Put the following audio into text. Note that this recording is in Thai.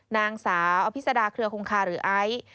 นางสาวอภิษดาเครือคงคาหรือไอซ์